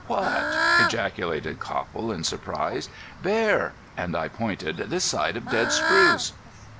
"What?" ejaculated Copple, in surprise. "Bear!" and I pointed. "This side of dead spruce."